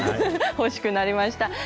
欲しくなりました。